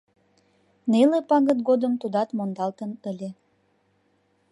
неле пагыт годым тудат мондалтын ыле